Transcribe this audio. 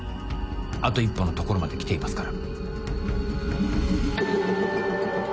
あと一歩のところまできていますから。